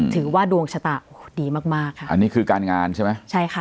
ถือว่าดวงชะตาดีมากมากค่ะอันนี้คือการงานใช่ไหมใช่ค่ะ